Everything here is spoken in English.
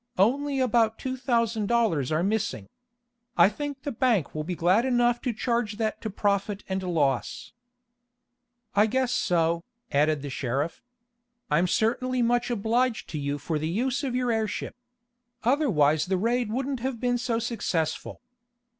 "Only about two thousand dollars are missing. I think the bank will be glad enough to charge that to profit and loss." "I guess so," added the sheriff. "I'm certainly much obliged to you for the use of your airship. Otherwise the raid wouldn't have been so successful.